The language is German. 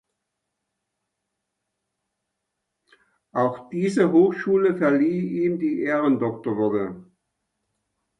Auch diese Hochschule verlieh ihm die Ehrendoktorwürde.